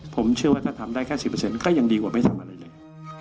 ผมเชื่อว่าถ้าทำได้แค่๑๐ก็ยังดีกว่าไม่ทำอะไรเลย